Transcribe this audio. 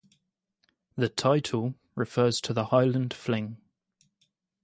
The title refers to the Highland Fling.